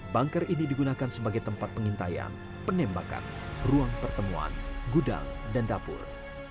bunker ini digunakan sebagai tempat pengintaian penembakan ruang pertemuan gudang dan dapur